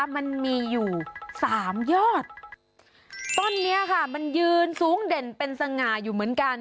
มันมีอยู่สามยอดต้นนี้ค่ะมันยืนสูงเด่นเป็นสง่าอยู่เหมือนกัน